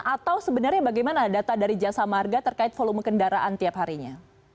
atau sebenarnya bagaimana data dari jasa marga terkait volume kendaraan tiap harinya